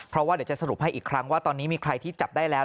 เพราะว่าเดี๋ยวจะสรุปให้อีกครั้งว่าตอนนี้มีใครที่จับได้แล้ว